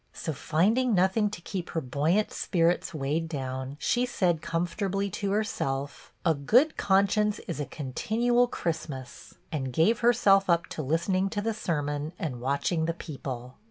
So, finding nothing to keep her buoyant spirits weighed down, she said comfortably to herself, "' A good conscience is a continual Christmas ;'" and gave herself up to listening to the sermon and watching the people.